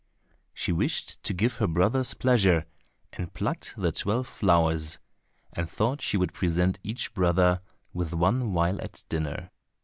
She wished to give her brothers pleasure, and plucked the twelve flowers, and thought she would present each brother with one while at dinner.